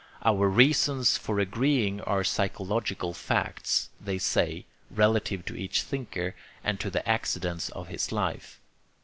Our reasons for agreeing are psychological facts, they say, relative to each thinker, and to the accidents of his life.